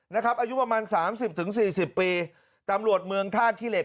อายุประมาณสามสิบถึงสี่สิบปีตำรวจเมืองท่าขี้เหล็